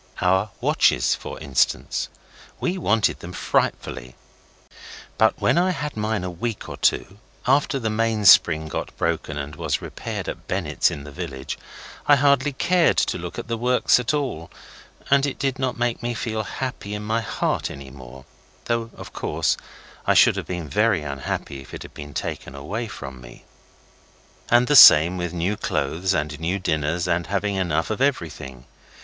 Our watches, for instance. We wanted them frightfully; but when I had mine a week or two, after the mainspring got broken and was repaired at Bennett's in the village, I hardly cared to look at the works at all, and it did not make me feel happy in my heart any more, though, of course, I should have been very unhappy if it had been taken away from me. And the same with new clothes and nice dinners and having enough of everything.